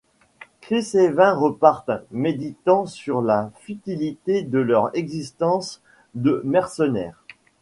Chris et Vin repartent, méditant sur la futilité de leur existence de mercenaires.